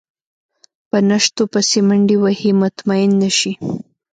په نشتو پسې منډې وهي مطمئن نه شي.